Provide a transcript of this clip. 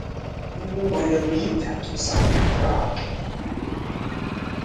You were going to leave after you saw me on the rock.